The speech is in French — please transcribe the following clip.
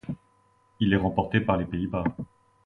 Il est remporté par les Pays-Bas.